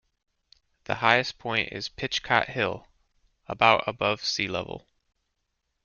The highest point is Pitchcott Hill, about above sea level.